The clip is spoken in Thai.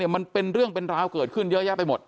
มันเป็นเรื่องเป็นราวเกิดขึ้นเยอะแยะไปหมด